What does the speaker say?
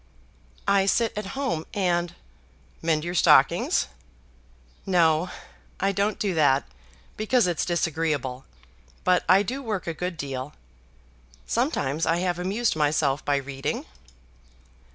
"I sit at home, and " "Mend your stockings?" "No; I don't do that, because it's disagreeable; but I do work a good deal. Sometimes I have amused myself by reading."